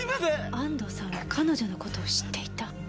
安藤さんは彼女のことを知っていた？